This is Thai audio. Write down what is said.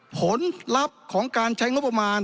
ผลลัพธ์ของการใช้งบประมาณ